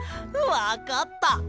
わかった！